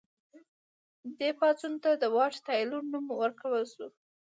دې پاڅون ته د واټ تایلور نوم ورکړل شو.